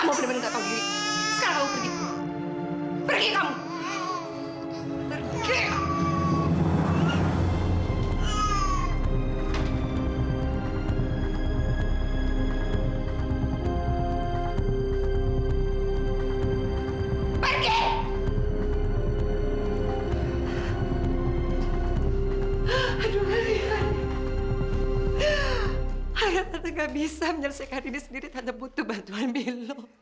pasti kotor dan berantakan sekali karena kelamaan kita tinggal